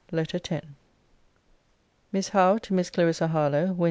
LETTER X MISS HOWE, TO MISS CLARISSA HARLOWE WEDN.